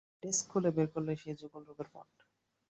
Desk খুলে বের করলে সেই যুগলরূপের পট।